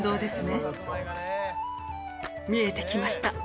見えてきました。